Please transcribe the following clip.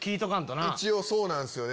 一応そうなんすよね。